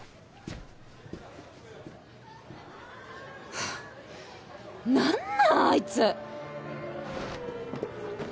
はぁ何なんあいつ。